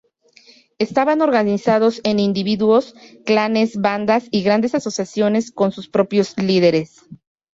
Estaban organizados en individuos, clanes, bandas y grandes asociaciones con sus propios líderes.